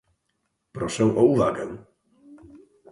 Proszę o uwagę.